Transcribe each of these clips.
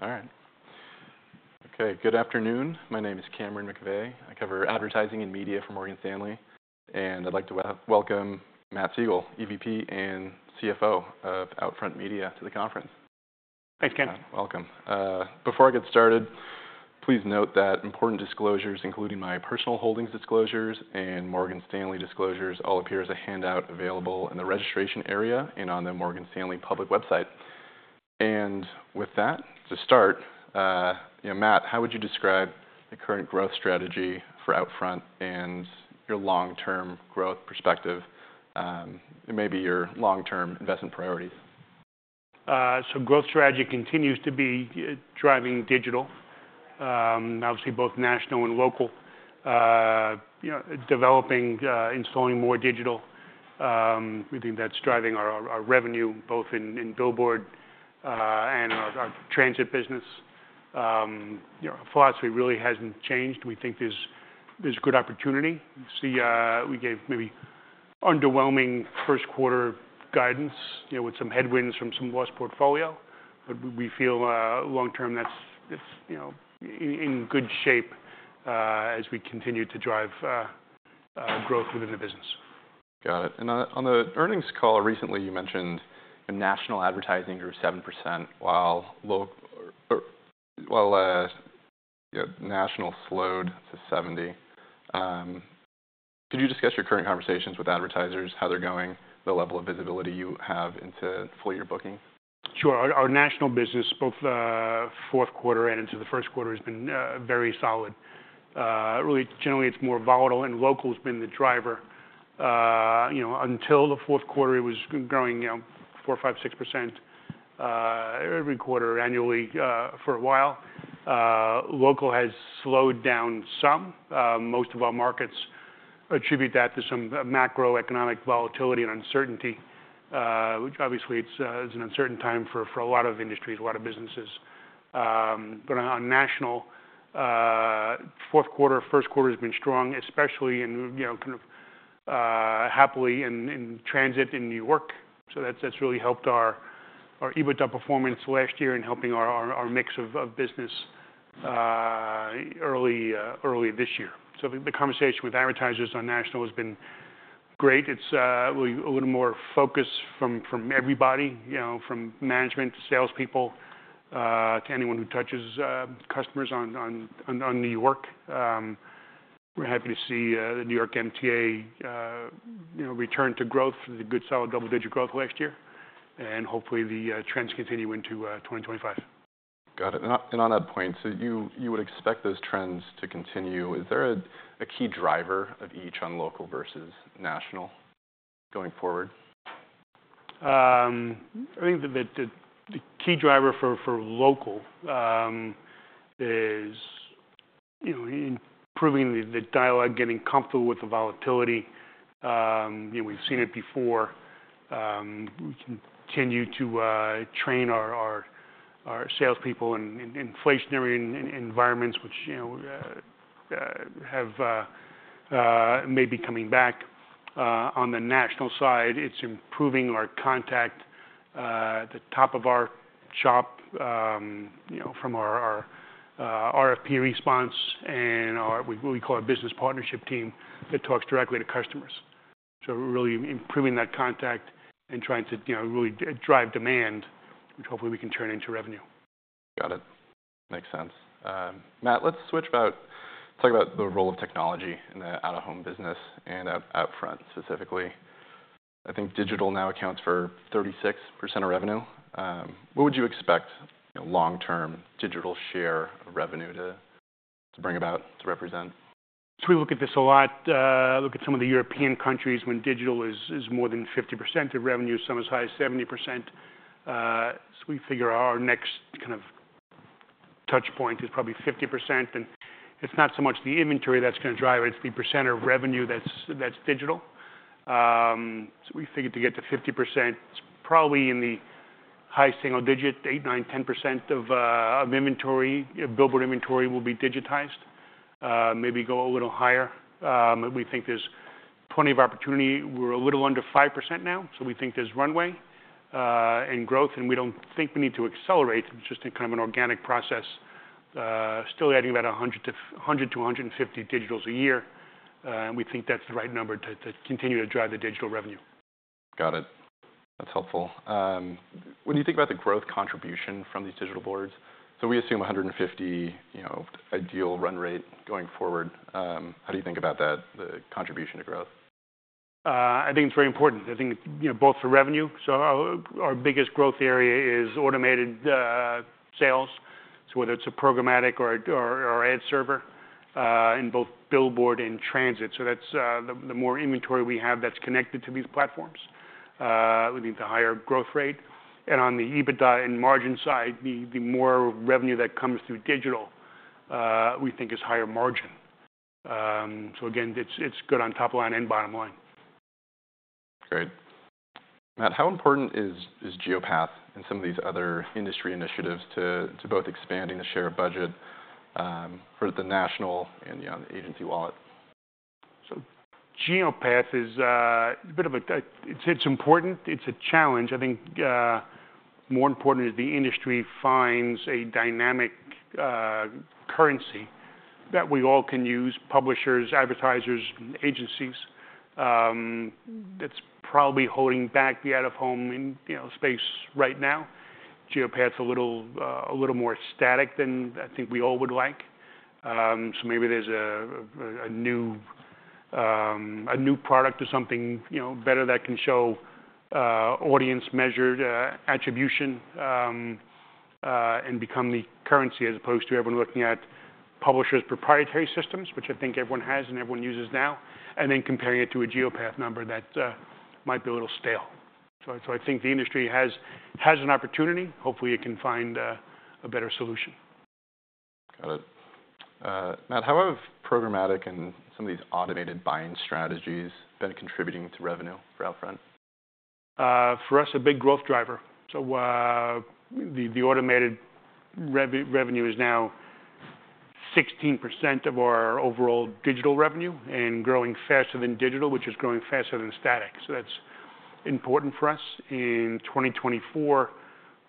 All right. Okay. Good afternoon. My name is Cameron McVeigh. I cover advertising and media for Morgan Stanley, and I'd like to welcome Matt Siegel, EVP and CFO of OUTFRONT Media, to the conference. Thanks, Cam. Welcome. Before I get started, please note that important disclosures, including my personal holdings disclosures and Morgan Stanley disclosures, all appear as a handout available in the registration area and on the Morgan Stanley public website. And with that, to start, you know, Matt, how would you describe the current growth strategy for OUTFRONT and your long-term growth perspective, and maybe your long-term investment priorities? So growth strategy continues to be driving digital, obviously both national and local, you know, developing, installing more digital. We think that's driving our revenue, both in billboard and in our transit business. You know, our philosophy really hasn't changed. We think there's good opportunity. You see, we gave maybe underwhelming first-quarter guidance, you know, with some headwinds from some lost portfolio, but we feel, long-term that's, you know, in good shape, as we continue to drive growth within the business. Got it. On the earnings call recently, you mentioned national advertising grew 7% while local, you know, national slowed to 7.0%. Could you discuss your current conversations with advertisers, how they're going, the level of visibility you have into fully your booking? Sure. Our national business, both fourth quarter and into the first quarter, has been very solid. Really, generally, it's more volatile, and local's been the driver. You know, until the fourth quarter, it was growing, you know, 4%, 5%, 6% every quarter, annually, for a while. Local has slowed down some. Most of our markets attribute that to some macroeconomic volatility and uncertainty, which obviously it's an uncertain time for a lot of industries, a lot of businesses. But on national, fourth quarter, first quarter's been strong, especially in, you know, kind of, happily in transit in New York. So that's really helped our EBITDA performance last year in helping our mix of business early this year. So the conversation with advertisers on national has been great. It's well a little more focus from everybody, you know, from management to salespeople to anyone who touches customers on New York. We're happy to see the New York MTA, you know, return to growth, the good solid double-digit growth last year, and hopefully the trends continue into 2025. Got it. And on that point, so you would expect those trends to continue. Is there a key driver of each on local versus national going forward? I think that the key driver for local is, you know, improving the dialogue, getting comfortable with the volatility. You know, we've seen it before. We continue to train our salespeople in inflationary environments, which, you know, may be coming back. On the national side, it's improving our contact, the top of our shop, you know, from our RFP response and our, what we call our business partnership team that talks directly to customers. So really improving that contact and trying to, you know, really drive demand, which hopefully we can turn into revenue. Got it. Makes sense. Matt, let's switch about, talk about the role of technology in the out-of-home business and OUTFRONT specifically. I think digital now accounts for 36% of revenue. What would you expect, you know, long-term digital share of revenue to, to bring about, to represent? So we look at this a lot, look at some of the European countries when digital is more than 50% of revenue, some as high as 70%. So we figure our next kind of touchpoint is probably 50%, and it's not so much the inventory that's gonna drive it. It's the percent of revenue that's digital. So we figured to get to 50%. It's probably in the high single digit, 8, 9, 10% of inventory, billboard inventory will be digitized, maybe go a little higher. We think there's plenty of opportunity. We're a little under 5% now, so we think there's runway, and growth, and we don't think we need to accelerate. It's just a kind of an organic process, still adding about 100 to 150 digitals a year. And we think that's the right number to continue to drive the digital revenue. Got it. That's helpful. When you think about the growth contribution from these digital boards, so we assume 150, you know, ideal run rate going forward. How do you think about that, the contribution to growth? I think it's very important. I think, you know, both for revenue. So our biggest growth area is automated sales. So whether it's a programmatic or ad server, in both billboard and transit. So that's the more inventory we have that's connected to these platforms, we need the higher growth rate. And on the EBITDA and margin side, the more revenue that comes through digital, we think is higher margin, so again, it's good on top line and bottom line. Great. Matt, how important is Geopath and some of these other industry initiatives to both expanding the share of budget for the national and, you know, the agency wallet? So Geopath is a bit of a. It's important. It's a challenge. I think more important is the industry finds a dynamic currency that we all can use, publishers, advertisers, agencies. That's probably holding back the out-of-home in, you know, space right now. Geopath's a little more static than I think we all would like. So maybe there's a new product or something, you know, better that can show audience-measured attribution, and become the currency as opposed to everyone looking at publishers' proprietary systems, which I think everyone has and everyone uses now, and then comparing it to a Geopath number that might be a little stale. So I think the industry has an opportunity. Hopefully it can find a better solution. Got it. Matt, how have programmatic and some of these automated buying strategies been contributing to revenue for OUTFRONT? For us, a big growth driver. So, the automated revenue is now 16% of our overall digital revenue and growing faster than digital, which is growing faster than static. So that's important for us. In 2024,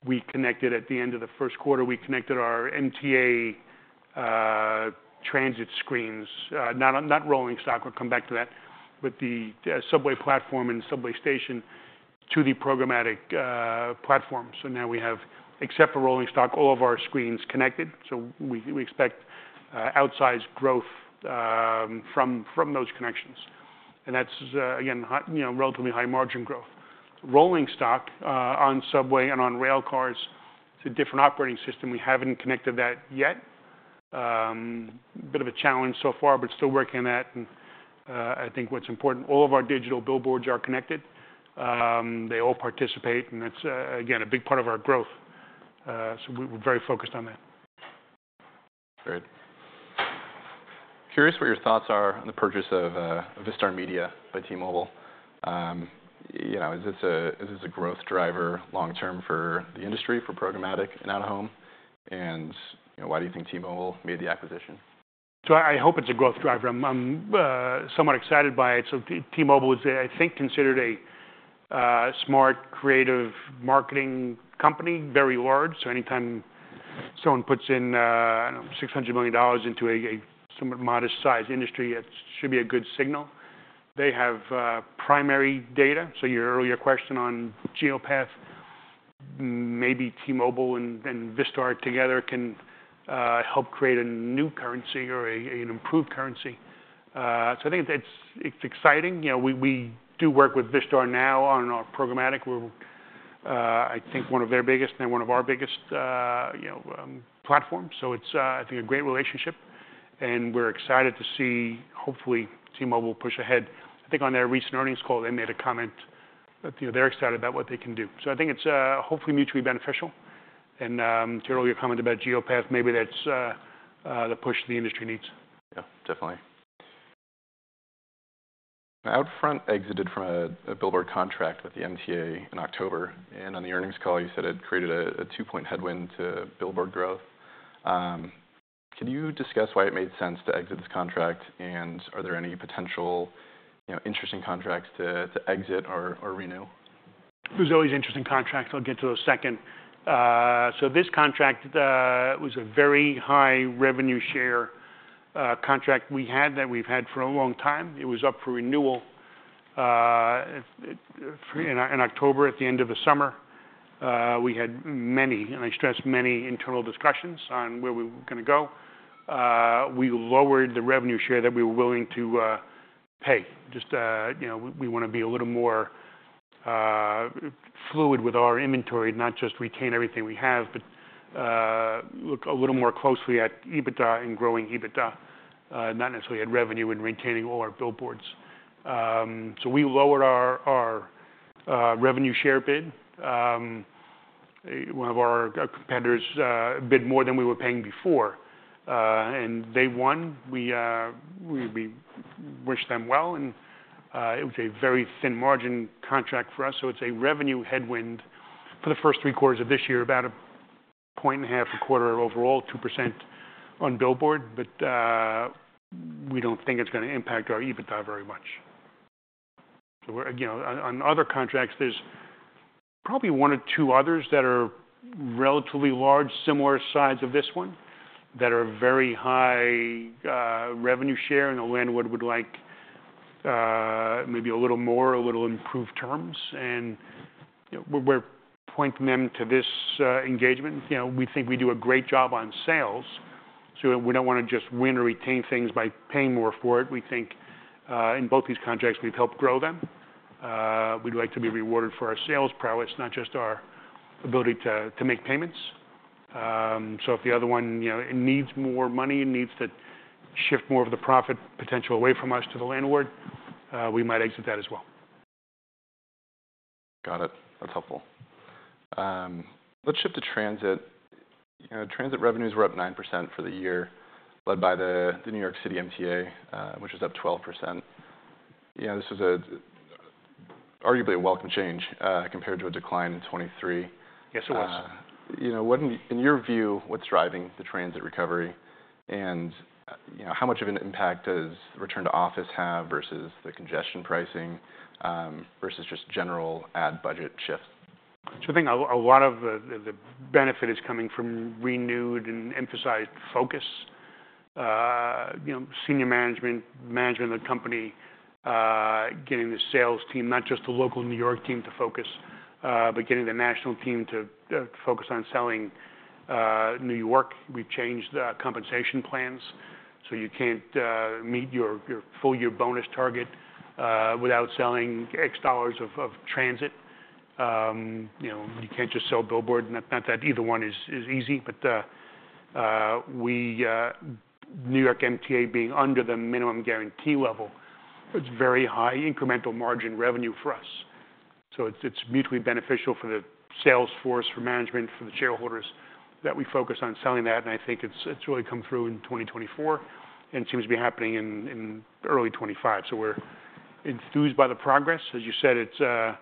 at the end of the first quarter, we connected our MTA transit screens, not rolling stock. We'll come back to that, but the subway platform and subway station to the programmatic platform. So now we have, except for rolling stock, all of our screens connected. So we expect outsized growth from those connections. And that's, again, high, you know, relatively high margin growth. Rolling stock on subway and on rail cars, it's a different operating system. We haven't connected that yet. A bit of a challenge so far, but still working on that. And, I think what's important, all of our digital billboards are connected. They all participate, and that's, again, a big part of our growth. So we, we're very focused on that. Great. Curious what your thoughts are on the purchase of Vistar Media by T-Mobile. You know, is this a growth driver long-term for the industry, for programmatic and out-of-home? And you know, why do you think T-Mobile made the acquisition? So I hope it's a growth driver. I'm somewhat excited by it. So T-Mobile is, I think, considered a smart, creative marketing company, very large. So anytime someone puts in, I don't know, $600 million into a somewhat modest-sized industry, it should be a good signal. They have primary data. So your earlier question on Geopath, maybe T-Mobile and Vistar together can help create a new currency or an improved currency. So I think it's exciting. You know, we do work with Vistar now on our programmatic. We're, I think, one of their biggest and one of our biggest, you know, platforms. So it's, I think, a great relationship, and we're excited to see, hopefully, T-Mobile push ahead. I think on their recent earnings call, they made a comment that, you know, they're excited about what they can do. So I think it's hopefully mutually beneficial. And to your earlier comment about Geopath, maybe that's the push the industry needs. Yeah. Definitely. OUTFRONT exited from a billboard contract with the MTA in October, and on the earnings call, you said it created a two-point headwind to billboard growth. Can you discuss why it made sense to exit this contract, and are there any potential, you know, interesting contracts to exit or renew? There's always interesting contracts. I'll get to the second, so this contract was a very high revenue share contract we had that we've had for a long time. It was up for renewal in October at the end of the summer. We had many, and I stress, many internal discussions on where we were gonna go. We lowered the revenue share that we were willing to pay. Just, you know, we wanna be a little more fluid with our inventory, not just retain everything we have, but look a little more closely at EBITDA and growing EBITDA, not necessarily at revenue and retaining all our billboards. So we lowered our revenue share bid. One of our competitors bid more than we were paying before, and they won. We wish them well, and it was a very thin margin contract for us. So it's a revenue headwind for the first three quarters of this year, about a point and a half a quarter overall, 2% on billboard. But we don't think it's gonna impact our EBITDA very much. So we're, you know, on other contracts, there's probably one or two others that are relatively large, similar size of this one that are very high revenue share, and the landlord would like maybe a little more, a little improved terms. And you know, we're pointing them to this engagement. You know, we think we do a great job on sales, so we don't wanna just win or retain things by paying more for it. We think in both these contracts, we've helped grow them. We'd like to be rewarded for our sales prowess, not just our ability to make payments. So if the other one, you know, it needs more money and needs to shift more of the profit potential away from us to the landlord, we might exit that as well. Got it. That's helpful. Let's shift to transit. You know, transit revenues were up 9% for the year, led by the New York City MTA, which was up 12%. You know, this was arguably a welcome change, compared to a decline in 2023. Yes, it was. You know, what in your view, what's driving the transit recovery and, you know, how much of an impact does the return to office have versus the congestion pricing, versus just general ad budget shifts? I think a lot of the benefit is coming from renewed and emphasized focus, you know, senior management, management of the company, getting the sales team, not just the local New York team to focus, but getting the national team to focus on selling New York. We've changed compensation plans. So you can't meet your full-year bonus target without selling X dollars of transit. You know, you can't just sell billboard. Not that either one is easy, but New York MTA being under the minimum guarantee level, it's very high incremental margin revenue for us. So it's mutually beneficial for the sales force, for management, for the shareholders that we focus on selling that. And I think it's really come through in 2024 and seems to be happening in early 2025. So we're enthused by the progress. As you said, it's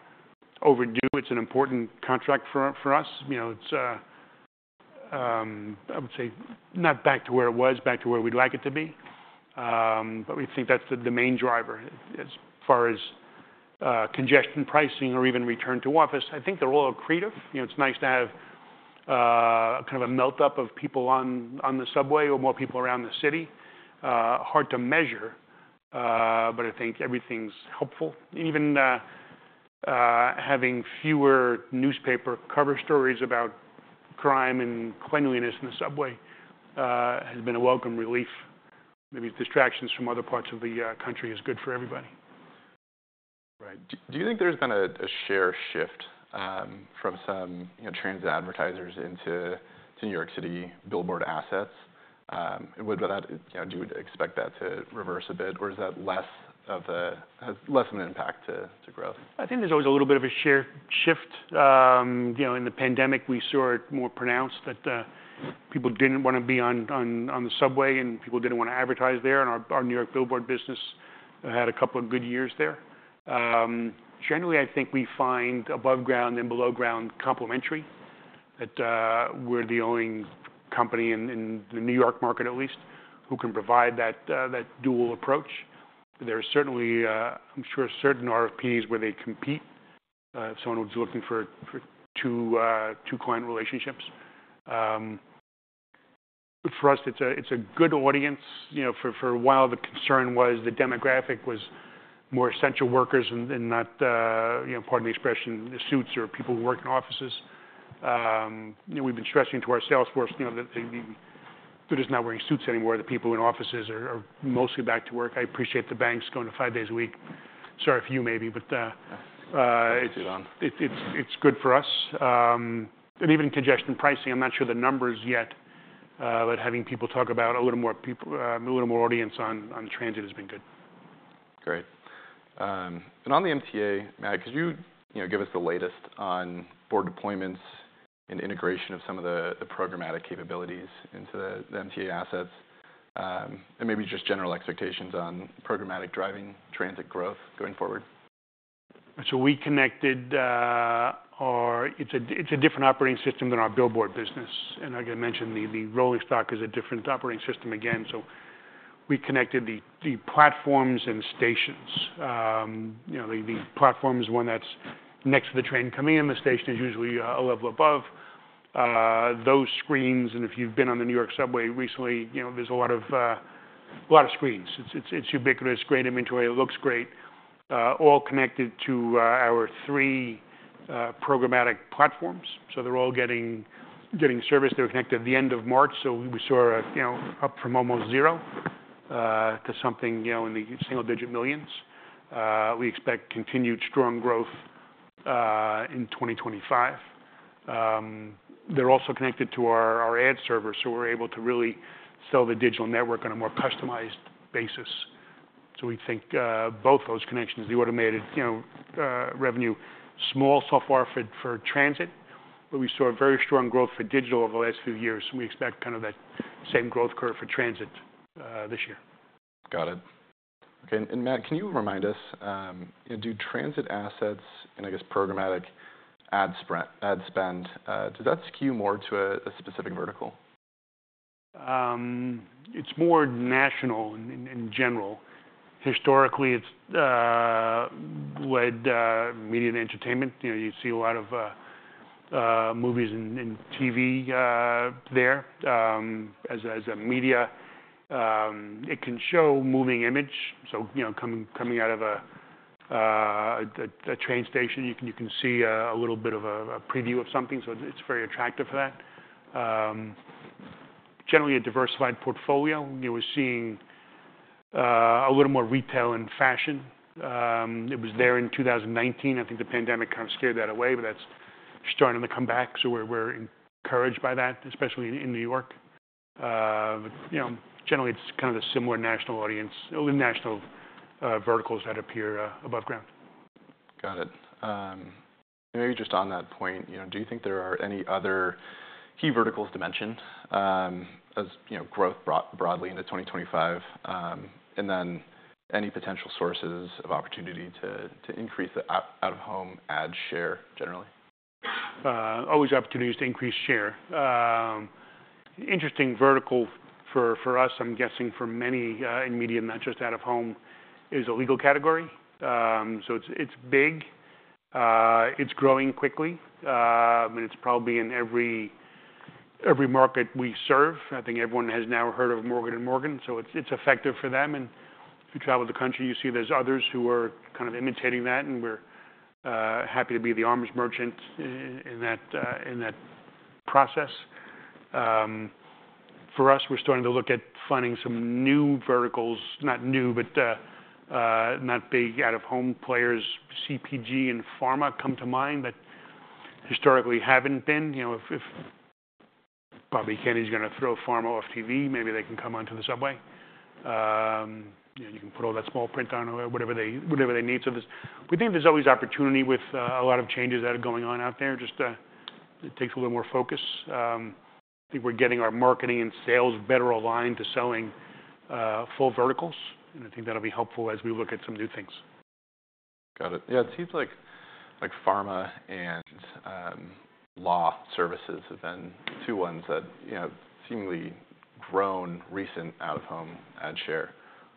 overdue. It's an important contract for us. You know, I would say not back to where it was, back to where we'd like it to be. But we think that's the main driver as far as congestion pricing or even return to office. I think they're all accretive. You know, it's nice to have kind of a melt-up of people on the subway or more people around the city. Hard to measure, but I think everything's helpful. Even having fewer newspaper cover stories about crime and cleanliness in the subway has been a welcome relief. Maybe distractions from other parts of the country is good for everybody. Right. Do you think there's been a share shift from some you know transit advertisers to New York City billboard assets? Would that you know do you expect that to reverse a bit, or is that less of an impact to growth? I think there's always a little bit of a share shift, you know, in the pandemic. We saw it more pronounced that people didn't wanna be on the subway, and people didn't wanna advertise there, and our New York billboard business had a couple of good years there. Generally, I think we find above ground and below ground complementary, that we're the only company in the New York market at least who can provide that dual approach. There are certainly, I'm sure, certain RFPs where they compete, if someone was looking for two client relationships. For us, it's a good audience. You know, for a while, the concern was the demographic was more essential workers and not, you know, pardon the expression, the suits or people who work in offices. You know, we've been stressing to our sales force, you know, that they're just not wearing suits anymore. The people in offices are mostly back to work. I appreciate the banks going to five days a week. Sorry if you maybe, but, it's good for us. And even congestion pricing, I'm not sure the numbers yet, but having people talk about a little more people, a little more audience on transit has been good. Great. And on the MTA, Matt, could you, you know, give us the latest on board deployments and integration of some of the programmatic capabilities into the MTA assets, and maybe just general expectations on programmatic driving transit growth going forward? So we connected. It's a different operating system than our billboard business. And I'm gonna mention the rolling stock is a different operating system again. So we connected the platforms and stations, you know. The platform is one that's next to the train coming in. The station is usually a level above. Those screens, and if you've been on the New York subway recently, you know, there's a lot of screens. It's ubiquitous, great inventory. It looks great, all connected to our three programmatic platforms. So they're all getting serviced. They were connected at the end of March. So we saw, you know, up from almost zero to something, you know, in the single-digit millions. We expect continued strong growth in 2025. They're also connected to our ad server, so we're able to really sell the digital network on a more customized basis. We think both those connections, the automated, you know, revenue, small so far for transit, but we saw very strong growth for digital over the last few years. We expect kind of that same growth curve for transit, this year. Got it. Okay. And Matt, can you remind us, you know, do transit assets and, I guess, programmatic ad spend, does that skew more to a specific vertical? It's more national in general. Historically, it's led by media and entertainment. You know, you see a lot of movies and TV there, as a media. It can show moving image. So, you know, coming out of a train station, you can see a little bit of a preview of something. So it's very attractive for that. Generally a diversified portfolio. You know, we're seeing a little more retail and fashion. It was there in 2019. I think the pandemic kind of scared that away, but that's starting to come back. So we're encouraged by that, especially in New York. You know, generally, it's kind of a similar national audience, national verticals that appear above ground. Got it. And maybe just on that point, you know, do you think there are any other key verticals to mention, as, you know, growth brought broadly into 2025, and then any potential sources of opportunity to increase the out-of-home ad share generally? Always opportunities to increase share. Interesting vertical for us, I'm guessing for many in media, not just out-of-home, is a legal category. So it's big. It's growing quickly. And it's probably in every market we serve. I think everyone has now heard of Morgan & Morgan. So it's effective for them. And if you travel the country, you see there's others who are kind of imitating that. And we're happy to be the arms merchant in that process. For us, we're starting to look at finding some new verticals, not new, but not big out-of-home players. CPG and pharma come to mind that historically haven't been. You know, if Bobby Kennedy's gonna throw pharma off TV, maybe they can come onto the subway. You know, you can put all that small print on or whatever they need. So there's, we think there's always opportunity with a lot of changes that are going on out there. Just, it takes a little more focus. I think we're getting our marketing and sales better aligned to selling full verticals. And I think that'll be helpful as we look at some new things. Got it. Yeah. It seems like pharma and law services have been two ones that, you know, seemingly grown recent out-of-home ad share.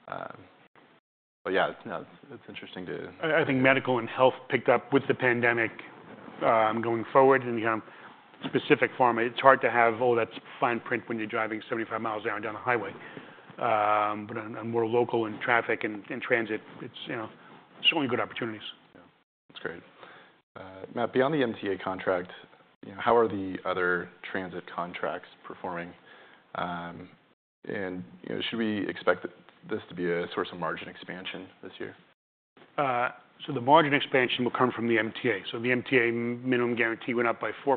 But yeah, no, it's interesting to. I think medical and health picked up with the pandemic, going forward. You know, specific pharma, it's hard to have, "Oh, that's fine print when you're driving 75 miles an hour down the highway," but on more local and traffic and transit, it's, you know, certainly good opportunities. Yeah. That's great. Matt, beyond the MTA contract, you know, how are the other transit contracts performing, and you know, should we expect this to be a source of margin expansion this year? So the margin expansion will come from the MTA. So the MTA minimum guarantee went up by 4%.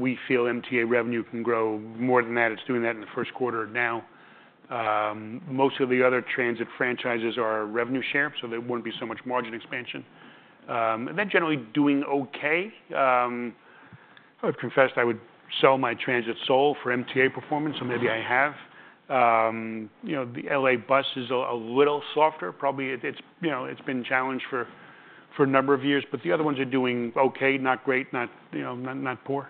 We feel MTA revenue can grow more than that. It's doing that in the first quarter now. Most of the other transit franchises are revenue share, so there wouldn't be so much margin expansion. And they're generally doing okay. I've confessed I would sell my transit soul for MTA performance, so maybe I have. You know, the LA bus is a little softer. Probably it's, you know, it's been challenged for a number of years, but the other ones are doing okay, not great, you know, not poor.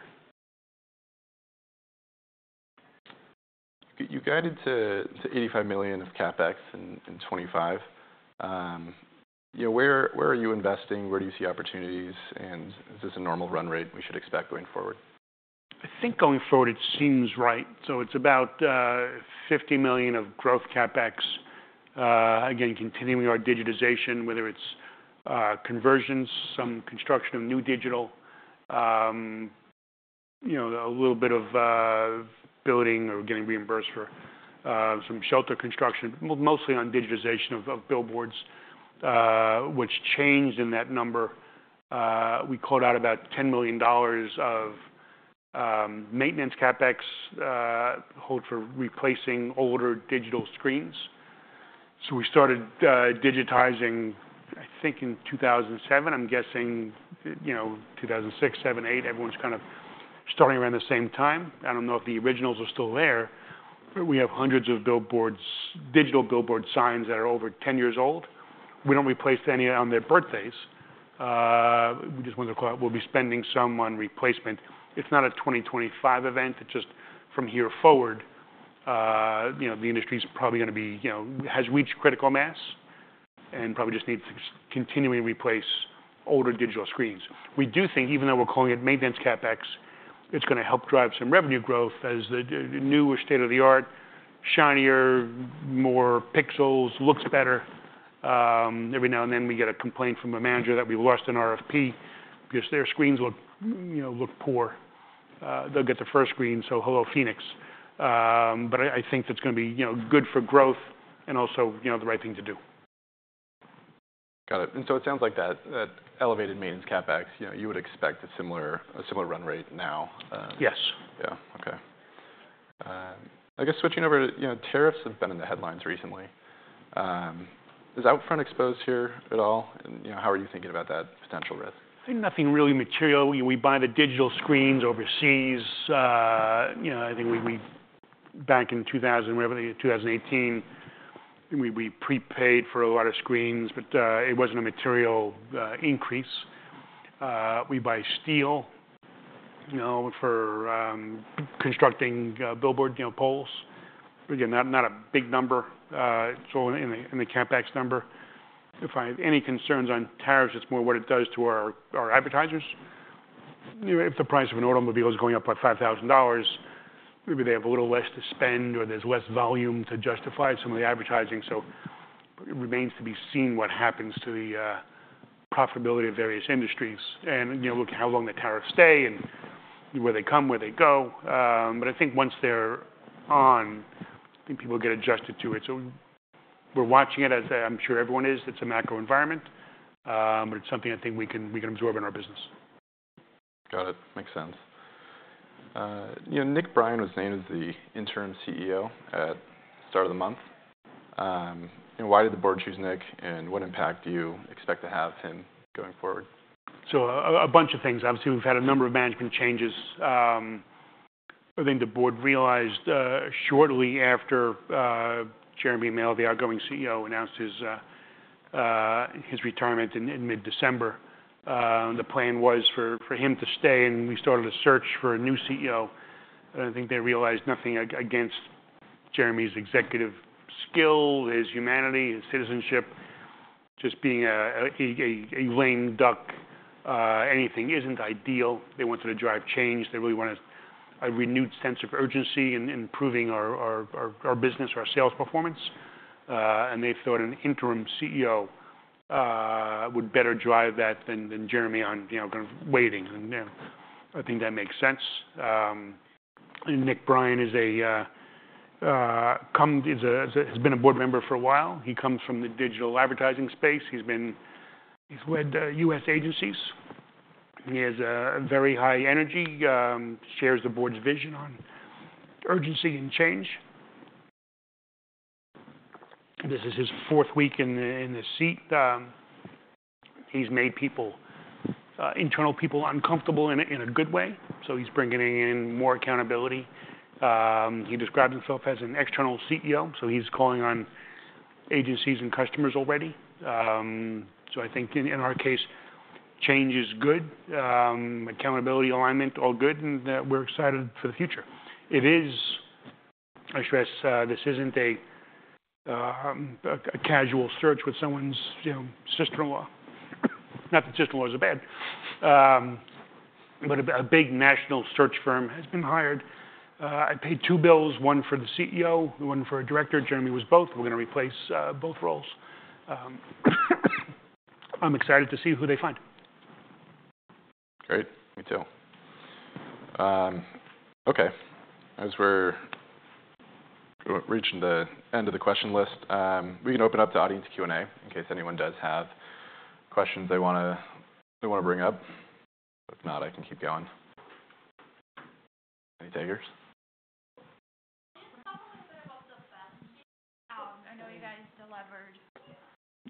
You guided to $85 million of CapEx in 2025. You know, where are you investing? Where do you see opportunities? And is this a normal run rate we should expect going forward? I think going forward it seems right. It's about $50 million of growth CapEx, again, continuing our digitization, whether it's conversions, some construction of new digital, you know, a little bit of building or getting reimbursed for some shelter construction, mostly on digitization of billboards, which changed in that number. We called out about $10 million of maintenance CapEx held for replacing older digital screens. We started digitizing, I think in 2007. I'm guessing, you know, 2006, 2007, 2008, everyone's kind of starting around the same time. I don't know if the originals are still there, but we have hundreds of billboards, digital billboard signs that are over 10 years old. We don't replace any on their birthdays. We just want to call, we'll be spending some on replacement. It's not a 2025 event. It's just from here forward, you know, the industry's probably gonna be, you know, has reached critical mass and probably just needs to continually replace older digital screens. We do think even though we're calling it maintenance CapEx, it's gonna help drive some revenue growth as the newer state of the art, shinier, more pixels, looks better. Every now and then we get a complaint from a manager that we lost an RFP because their screens look, you know, poor. They'll get the first screen, so hello, Phoenix. But I think that's gonna be, you know, good for growth and also, you know, the right thing to do. Got it, and so it sounds like that elevated maintenance CapEx, you know, you would expect a similar run rate now. Yes. Yeah. Okay. I guess switching over to, you know, tariffs have been in the headlines recently. Is OUTFRONT exposed here at all? And, you know, how are you thinking about that potential risk? I think nothing really material. We buy the digital screens overseas. You know, I think we back in 2000 whatever, 2018, we prepaid for a lot of screens, but it wasn't a material increase. We buy steel, you know, for constructing billboard you know poles. Again, not a big number. It's all in the CapEx number. If I have any concerns on tariffs, it's more what it does to our advertisers. You know, if the price of an automobile is going up by $5,000, maybe they have a little less to spend or there's less volume to justify some of the advertising. So it remains to be seen what happens to the profitability of various industries and, you know, look how long the tariffs stay and where they come, where they go. but I think once they're on, I think people get adjusted to it. So we're watching it as, I'm sure everyone is. It's a macro environment, but it's something I think we can absorb in our business. Got it. Makes sense. You know, Nick Brien was named as the interim CEO at the start of the month. You know, why did the board choose Nick and what impact do you expect to have him going forward? A bunch of things. Obviously, we've had a number of management changes. I think the board realized shortly after Jeremy Male, the outgoing CEO, announced his retirement in mid-December. The plan was for him to stay, and we started a search for a new CEO. I think they realized nothing against Jeremy's executive skill, his humanity, his citizenship. Just being a lame duck isn't ideal. They wanted to drive change. They really wanted a renewed sense of urgency in improving our business, our sales performance. They thought an interim CEO would better drive that than Jeremy, you know, kind of waiting. You know, I think that makes sense. Nick Brien has been a board member for a while. He comes from the digital advertising space. He's led U.S. agencies. He has a very high energy, shares the board's vision on urgency and change. This is his fourth week in the seat. He's made internal people uncomfortable in a good way. So he's bringing in more accountability. He describes himself as an external CEO. So he's calling on agencies and customers already. So I think in our case, change is good. Accountability, alignment, all good. And we're excited for the future. It is, I stress, this isn't a casual search with someone's, you know, sister-in-law. Not that sister-in-laws are bad, but a big national search firm has been hired. I paid two bills, one for the CEO, one for a director. Jeremy was both. We're gonna replace both roles. I'm excited to see who they find. Great. Me too. Okay. As we're reaching the end of the question list, we can open up to audience Q&A in case anyone does have questions they wanna bring up. If not, I can keep going. Any takers?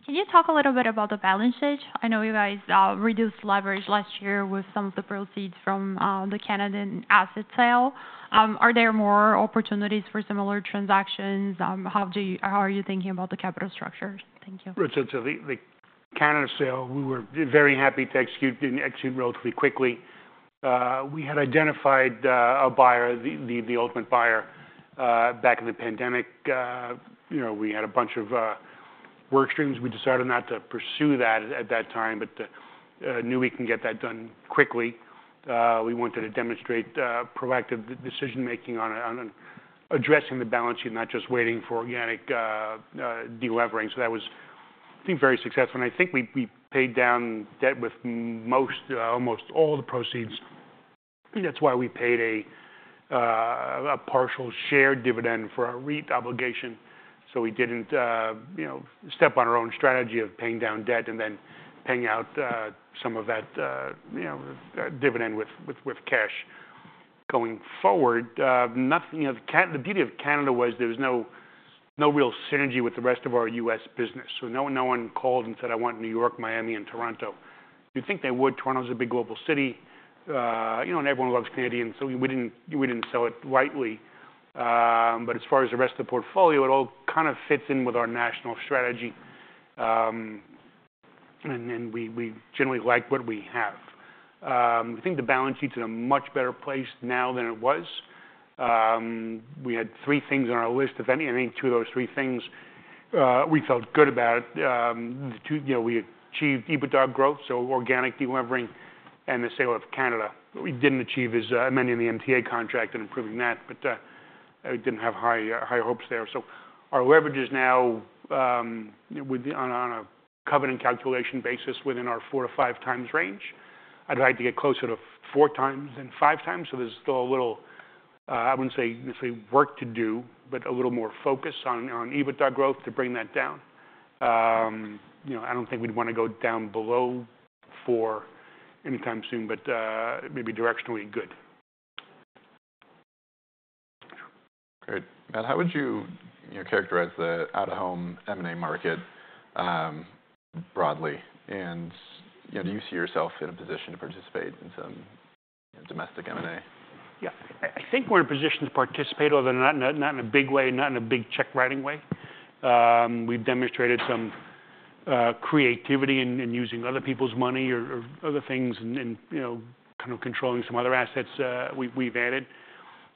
Can you talk a little bit about the balance sheet? I know you guys delivered. Can you talk a little bit about the balance sheet? I know you guys reduced leverage last year with some of the proceeds from the Canada asset sale. Are there more opportunities for similar transactions? How do you, how are you thinking about the capital structures? Thank you. So the Canada sale, we were very happy to execute relatively quickly. We had identified a buyer, the ultimate buyer, back in the pandemic. You know, we had a bunch of work streams. We decided not to pursue that at that time, but knew we can get that done quickly. We wanted to demonstrate proactive decision-making on addressing the balance sheet, not just waiting for organic de-levering. So that was, I think, very successful. And I think we paid down debt with most, almost all the proceeds. That's why we paid a partial share dividend for our REIT obligation. So we didn't, you know, step on our own strategy of paying down debt and then paying out some of that, you know, dividend with cash. Going forward, nothing, you know, the beauty of Canada was there was no, no real synergy with the rest of our U.S. business. So no, no one called and said, "I want New York, Miami, and Toronto." You'd think they would. Toronto's a big global city, you know, and everyone loves Canadian. So we didn't, we didn't sell it lightly, but as far as the rest of the portfolio, it all kind of fits in with our national strategy, and we generally like what we have. I think the balance sheet's in a much better place now than it was. We had three things on our list. If any two of those three things, we felt good about it, the two, you know, we achieved EBITDA growth, so organic de-levering and the sale of Canada. What we didn't achieve is amending the MTA contract and improving that. But, we didn't have high, high hopes there. So our leverage is now, on a covenant calculation basis within our four to five times range. I'd like to get closer to four times than five times. So there's still a little, I wouldn't say necessarily work to do, but a little more focus on EBITDA growth to bring that down. You know, I don't think we'd wanna go down below four anytime soon, but, maybe directionally good. Great. Matt, how would you, you know, characterize the out-of-home M&A market, broadly? And, you know, do you see yourself in a position to participate in some, you know, domestic M&A? Yeah. I think we're in a position to participate, although not in a big way, not in a big check-writing way. We've demonstrated some creativity in using other people's money or other things and, you know, kind of controlling some other assets we've added.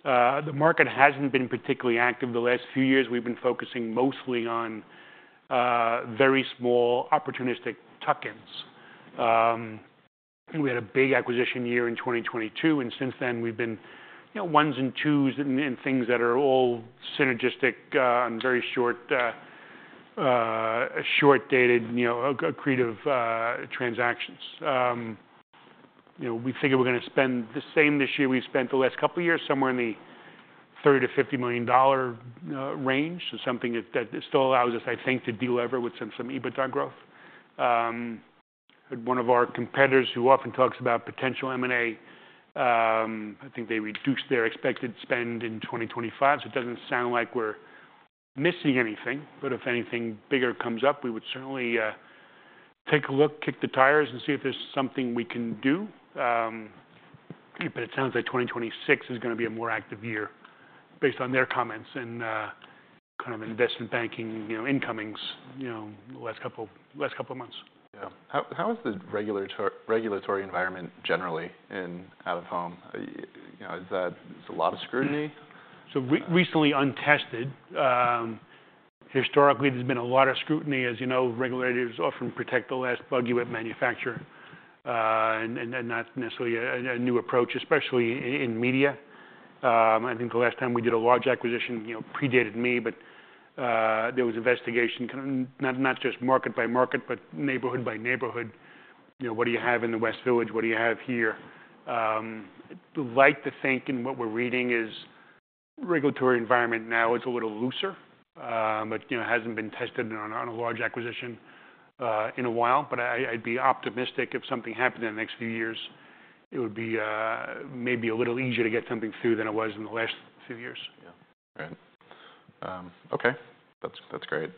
The market hasn't been particularly active. The last few years, we've been focusing mostly on very small opportunistic tuck-ins. We had a big acquisition year in 2022, and since then we've been, you know, ones and twos and things that are all synergistic, and very short-dated, you know, a creative transactions. You know, we figure we're gonna spend the same this year we've spent the last couple of years, somewhere in the $30-$50 million range. So something that still allows us, I think, to deliver with some EBITDA growth. One of our competitors who often talks about potential M&A, I think they reduced their expected spend in 2025. So it doesn't sound like we're missing anything. But if anything bigger comes up, we would certainly take a look, kick the tires, and see if there's something we can do. But it sounds like 2026 is gonna be a more active year based on their comments and, kind of investment banking, you know, incomings, you know, the last couple of months. Yeah. How is the regulatory environment generally in out-of-home? You know, is there a lot of scrutiny? Recently untested. Historically, there's been a lot of scrutiny. As you know, regulators often protect the last buggy whip manufacturer and not necessarily a new approach, especially in media. I think the last time we did a large acquisition, you know, predated me, but there was investigation kind of not just market by market, but neighborhood by neighborhood. You know, what do you have in the West Village? What do you have here? I'd like to think that what we're reading is the regulatory environment now; it's a little looser. But you know, it hasn't been tested on a large acquisition in a while. But I'd be optimistic if something happened in the next few years; it would be maybe a little easier to get something through than it was in the last few years. Yeah. Great. Okay. That's, that's great.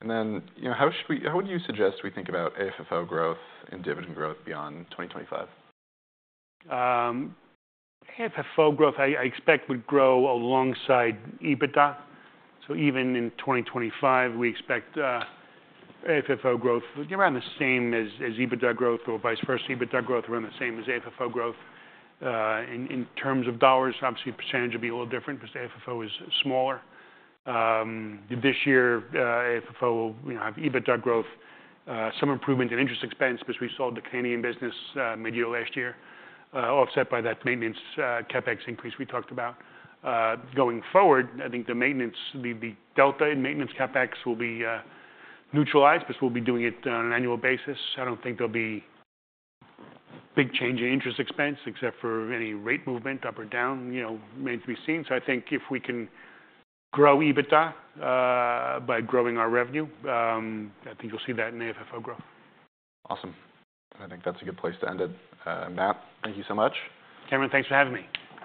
And then, you know, how should we, how would you suggest we think about AFFO growth and dividend growth beyond 2025? AFFO growth, I expect would grow alongside EBITDA. So even in 2025, we expect AFFO growth to be around the same as EBITDA growth or vice versa. EBITDA growth around the same as AFFO growth. In terms of dollars, obviously percentage would be a little different because AFFO is smaller. This year, AFFO will, you know, have EBITDA growth, some improvement in interest expense because we sold the Canadian business mid-year last year, offset by that maintenance CapEx increase we talked about. Going forward, I think the maintenance, the delta in maintenance CapEx will be neutralized, but we'll be doing it on an annual basis. I don't think there'll be big change in interest expense except for any rate movement up or down, you know, remains to be seen. So I think if we can grow EBITDA, by growing our revenue, I think you'll see that in AFFO growth. Awesome. I think that's a good place to end it. Matt, thank you so much. Cameron, thanks for having me.